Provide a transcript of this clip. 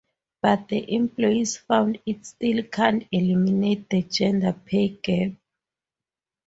But the employees found it still can't eliminate the gender pay gap.